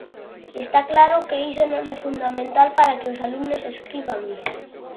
Está claro que iso non é fundamental para que os alumnos escriban ben.